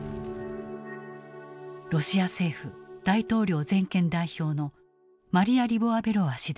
ロシア政府大統領全権代表のマリヤ・リボワベロワ氏である。